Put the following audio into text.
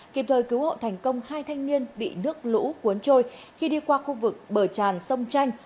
kịp thời cứu hộ thành công hai thanh niên bị nước lũ cuốn trôi khi đi qua khu vực bờ tràn sông tranh